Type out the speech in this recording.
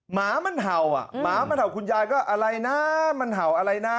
หมามันเห่าอ่ะหมามันเห่าคุณยายก็อะไรนะมันเห่าอะไรนะ